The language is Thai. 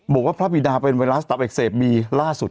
บอกว่าพระบิดาเป็นไวรัสตับอักเสบมีล่าสุด